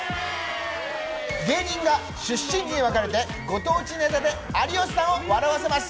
芸人が出身地にわかれて、ご当地ネタで有吉さんを笑わせます。